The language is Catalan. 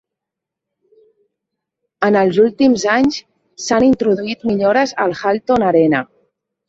En els últims anys s'han introduït millores al Halton Arena.